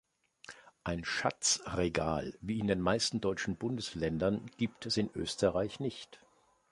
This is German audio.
Ein Schatzregal, wie in den meisten deutschen Bundesländern, gibt es in Österreich nicht.